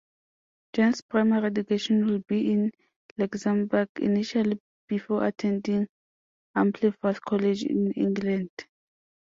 Jean's primary education would be in Luxemboug initially before attending Ampleforth College in England.